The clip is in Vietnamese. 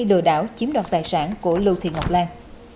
lừa đảo chiếm đoạt tài sản của lưu thị ngọc lan